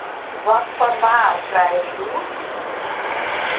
Wat foar waar krije we hjoed?